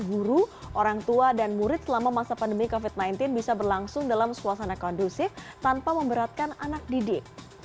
guru orang tua dan murid selama masa pandemi covid sembilan belas bisa berlangsung dalam suasana kondusif tanpa memberatkan anak didik